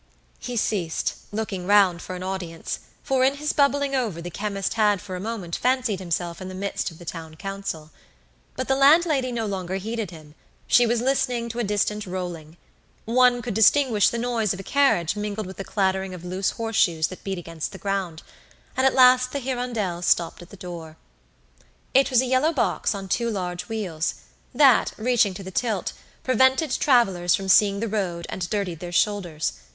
He ceased, looking round for an audience, for in his bubbling over the chemist had for a moment fancied himself in the midst of the town council. But the landlady no longer heeded him; she was listening to a distant rolling. One could distinguish the noise of a carriage mingled with the clattering of loose horseshoes that beat against the ground, and at last the "Hirondelle" stopped at the door. It was a yellow box on two large wheels, that, reaching to the tilt, prevented travelers from seeing the road and dirtied their shoulders.